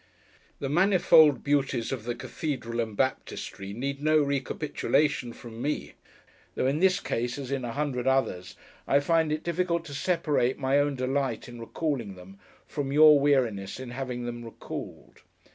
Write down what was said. The manifold beauties of the Cathedral and Baptistery need no recapitulation from me; though in this case, as in a hundred others, I find it difficult to separate my own delight in recalling them, from your weariness in having them recalled.